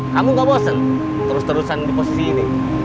kamu gak bosen terus terusan di posisi ini